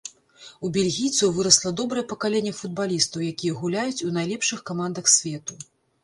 У бельгійцаў вырасла добрае пакаленне футбалістаў, якія гуляюць у найлепшых камандах свету.